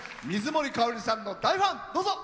水森かおりさんの大ファン。